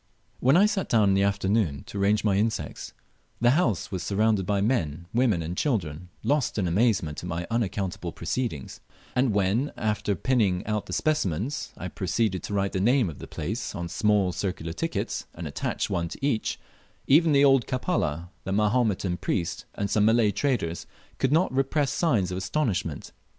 When I sat down in the afternoon to arrange my insects, the louse was surrounded by men, women, and children, lost in amazement at my unaccountable proceedings; and when, after pinning out the specimens, I proceeded to write the name of the place on small circular tickets, and attach one to each, even the old Kapala, the Mahometan priest, and some Malay traders could not repress signs of astonishment.